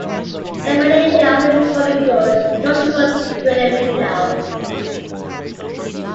There are many allegorical sculptural decorative details.